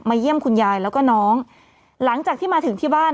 เยี่ยมคุณยายแล้วก็น้องหลังจากที่มาถึงที่บ้าน